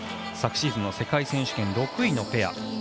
昨シーズンの世界選手権６位のペア。